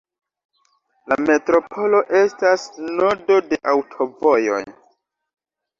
La metropolo estas nodo de aŭtovojoj.